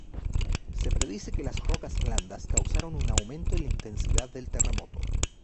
Se predice que las rocas blandas causaron un aumento en la intensidad del terremoto.